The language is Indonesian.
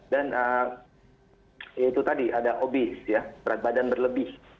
dan itu tadi ada obese ya berat badan berlebih